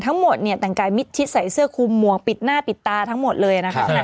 ทั้งหมดเนี่ยแต่งกายมิดชิดใส่เสื้อคุมหมวกปิดหน้าปิดตาทั้งหมดเลยนะคะ